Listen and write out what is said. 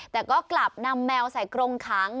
แต่ก็กลับนำแมวใส่กรงขัง